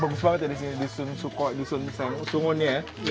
bagus banget ya di sini di dusun suko di dusun sungun ya